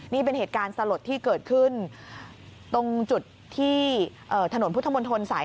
นี่เป็นเหตุการณ์สลดที่เกิดขึ้นตรงจุดที่ถนนพุทธมนตรสาย